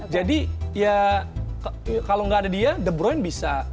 jadi ya kalau nggak ada dia de bruyne bisa